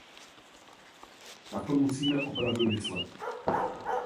Na to musíme opravdu myslet.